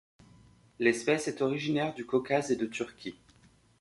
L'espèce est originaire du Caucase et de Turquie.